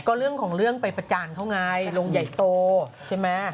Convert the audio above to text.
ก็เรื่องของเรื่องไปประจานเขาไงลงใหญ่โตใช่ไหม